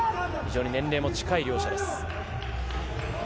非常に年齢も近い両者です。